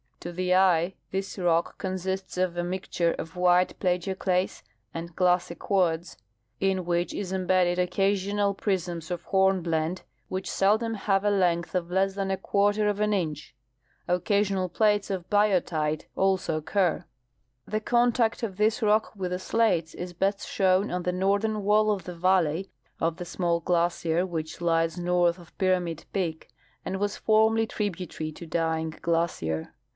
Totlie Ancient igneous RocJiS. 61 eye this rock consists of a mixture of white plagioclase and glassy quartz, in which is imbedded occasional prisms of hornblende which seldom have a length of less than a quarter of an inch ; occasional plates of biotite also occur. The contact of this rock with the slates is best shown on the northern wall of the valley of the small glacier Avhich lies north of Pyramid peak and was formerly tributary to Dying glacier.